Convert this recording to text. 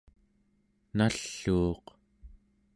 nalluuq